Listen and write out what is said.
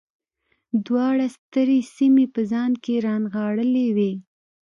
دواړو سترې سیمې په ځان کې رانغاړلې وې